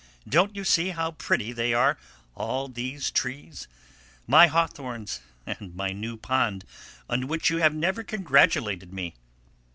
Don't you see how pretty they are, all these trees my hawthorns, and my new pond, on which you have never congratulated me?